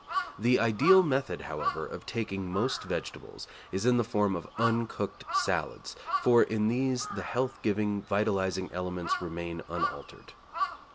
The ideal method, however, of taking most vegetables is in the form of uncooked salads, for in these the health giving, vitalising elements remain unaltered.